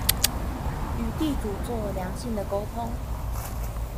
與地主做良性的溝通